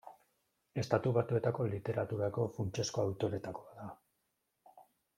Estatu Batuetako literaturako funtsezko autoreetakoa da.